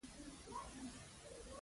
مار چیچلی له پړي هم ویریږي